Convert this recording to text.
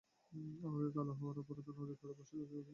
আমি কালো হওয়ার অপরাধে নদীর পাড়ে বসে একা একা কাঁদতেই থাকি।